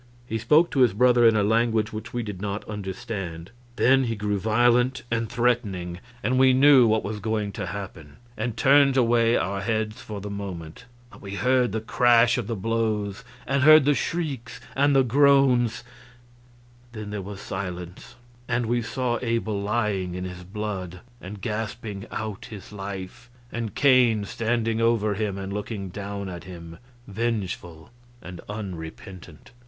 He spoke to his brother in a language which we did not understand; then he grew violent and threatening, and we knew what was going to happen, and turned away our heads for the moment; but we heard the crash of the blows and heard the shrieks and the groans; then there was silence, and we saw Abel lying in his blood and gasping out his life, and Cain standing over him and looking down at him, vengeful and unrepentant.